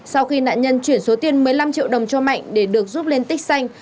sau khi nạn nhân chuyển số tiền một mươi năm triệu đồng cho mạnh để được giúp lên tích xanh